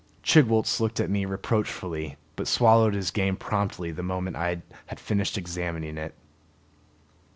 Chigwooltz looked at me reproachfully, but swallowed his game promptly the moment I had finished examining it.